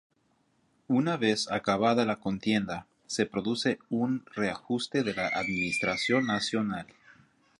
Una vez acabada la contienda, se produce un reajuste de la administración nacional.